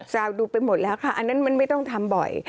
สาวดูไปหมดแล้วค่ะอันนั้นมันไม่ต้องทำบ่อย